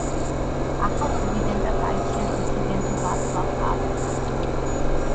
ახალ პრეზიდენტად აირჩიეს დისიდენტი ვაცლავ ჰაველი.